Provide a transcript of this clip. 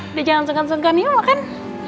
udah jangan senggan senggan yuk makan